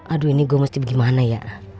aduh ini gue mesti bagaimana ya